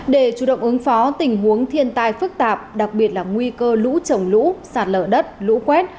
để chủ động ứng phó tình huống thiên tai phức tạp đặc biệt là nguy cơ lũ trồng lũ sạt lở đất lũ quét